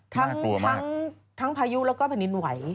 มากกลัวมากทั้งพายุแล้วก็ผนินไหว